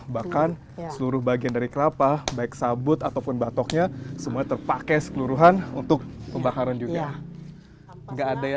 bahkan seluruh bagian dari kelapa baik sabut ataupun batoknya semuanya terpakai sekeluruhan untuk pembakaran juga